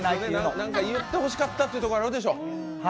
何か言ってほしかったってとこあるでしょ。